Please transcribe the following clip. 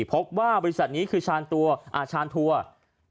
พบว่าบริษัทนี้คือชาญชานทัวร์